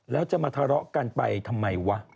แล้วจะมาทะเลาะกันไปทำไมวะ